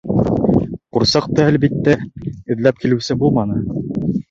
Ҡурсаҡты, әлбиттә, эҙләп килеүсе булманы.